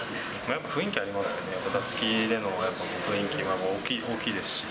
雰囲気ありますよね、打席での雰囲気は、大きいですし。